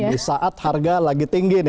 di saat harga lagi tinggi nih